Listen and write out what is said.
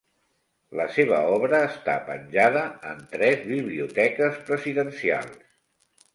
La seva obra està penjada en tres biblioteques presidencials.